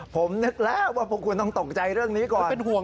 ผมนึกแล้วว่าคุณต้องตกใจเรื่องนี้ก่อน